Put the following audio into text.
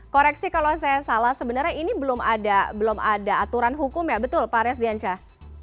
koreksi kalau saya salah sebenarnya ini belum ada aturan hukum ya betul pak resdiansyah